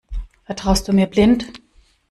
Vertraust du mir blind?